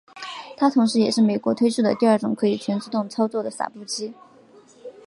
它同时也是美国推出的第二种可以全自动操作的洒布器。